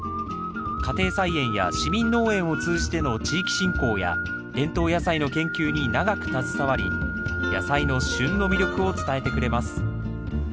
家庭菜園や市民農園を通じての地域振興や伝統野菜の研究に長く携わり野菜の旬の魅力を伝えてくれます